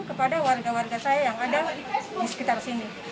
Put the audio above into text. kepada warga warga saya yang ada di sekitar sini